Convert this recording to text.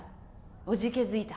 おじけづいた？